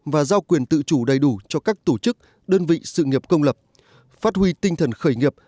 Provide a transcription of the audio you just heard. và giao quyền tự chủ đầy đủ cho các tổ chức đơn vị sự nghiệp công lập phát huy tinh thần khởi nghiệp